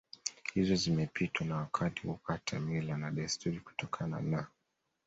hizo zimepitwa na wakati kukataa mila na desturi kutokana na